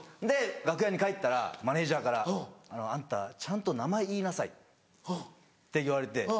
で楽屋に帰ったらマネジャーから「あんたちゃんと名前言いなさい」って言われて。